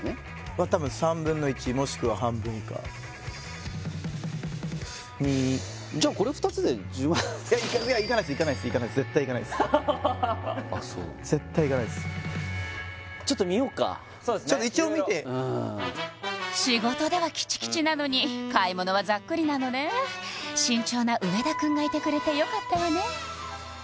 は多分３分の１もしくは半分以下にじゃあこれ２つで１０万いやいかないっすいかないっす絶対いかないっすあそう絶対いかないっすちょっと見ようか一応見て仕事ではキチキチなのに買い物はざっくりなのね慎重な上田くんがいてくれてよかったわね